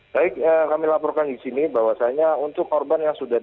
baik kami laporkan di sini bahwasannya untuk korban yang sudah